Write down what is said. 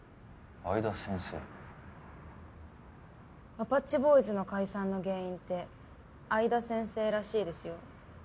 アパッチボーイズの解散の原因って相田先生らしいですよ。